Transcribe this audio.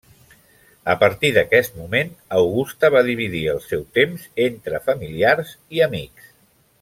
A partir d'aquest moment, Augusta va dividir el seu temps entre familiars i amics.